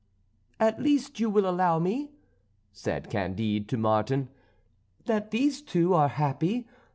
"At least you will allow me," said Candide to Martin, "that these two are happy.